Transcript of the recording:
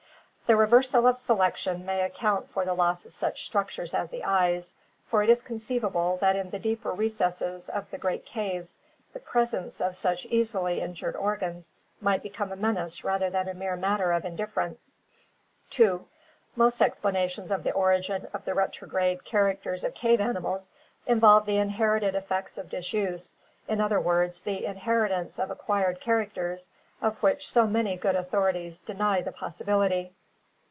The reversal of selection may account for the loss of such structures as the eyes, for it is conceivable that in the deeper recesses of the great caves the presence of such easily in 380 ORGANIC EVOLUTION jured organs might become a menace rather than a mere matter of indifference. 2. Most explanations of the origin of the retrograde characters of cave animals involve the inherited effects of disuse, in other words, the inheritance of acquired characters, of which so many good authorities deny the possibility.